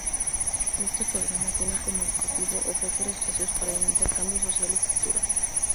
Este programa tiene como objetivo ofrecer espacios para el intercambio social y cultural.